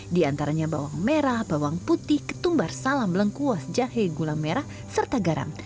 di antaranya bawang merah bawang putih ketumbar salam lengkuas jahe gula merah serta garam